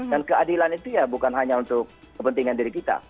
dan keadilan itu bukan hanya untuk kepentingan diri kita